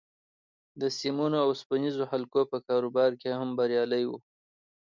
د سيمونو او اوسپنيزو حلقو په کاروبار کې هم بريالی و.